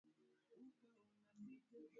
Maharagwe yamemwagika